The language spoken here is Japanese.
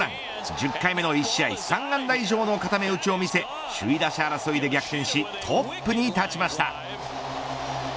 １０回目の１試合３安打以上の固め打ちを見せ首位打者争いで逆転しトップに立ちました。